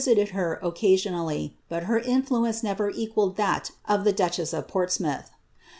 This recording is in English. a year, and Tiaited her occasionally, but her influence never equalled that of the ducheas of Portsmouth.